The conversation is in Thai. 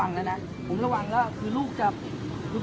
ตอนนี้กำหนังไปคุยของผู้สาวว่ามีคนละตบ